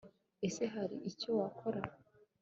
ese hari icyo wakora